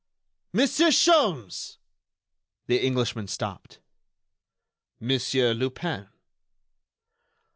"Monsieur Sholmes!" The Englishman stopped. "Monsieur Lupin?"